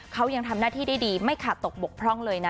เขายังทำหน้าที่ได้ดีไม่ขาดตกบกพร่องเลยนะ